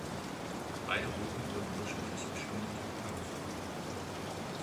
Beide Routen werden durchschnittlich im Stundentakt angefahren.